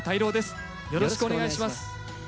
よろしくお願いします。